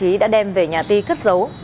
anh đem về nhà ti cất giấu